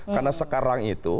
karena sekarang itu